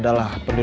orang ah milek